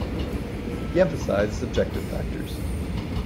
He emphasized the subjective factors.